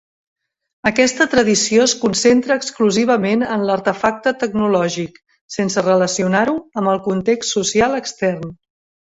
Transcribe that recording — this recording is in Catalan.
Aquesta tradició es concentra exclusivament en l'artefacte tecnològic, sense relacionar-ho amb el context social extern.